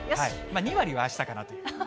２割はあしたかなという。